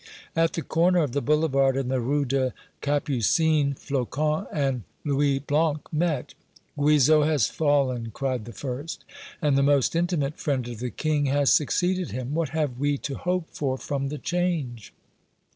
At the corner of the Boulevard and the Rue des Capucines, Flocon and Louis Blanc met. "Guizot has fallen!" cried the first. "And the most intimate friend of the King has succeeded him! What have we to hope for from the change?"